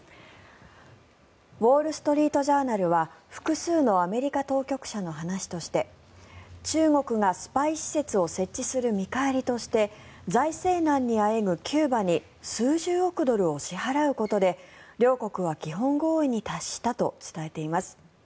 ウォール・ストリート・ジャーナルは複数のアメリカ当局者の話として中国がスパイ施設を設置する見返りとして財政難にあえぐキューバに数十億ドルを支払うことで両国は基本合意に達したと伝えています。